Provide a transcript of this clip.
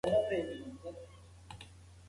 چای د ګلاسیمیک غبرګون تنظیموي.